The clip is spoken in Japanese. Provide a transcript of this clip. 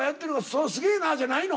「それすげえな！」じゃないの？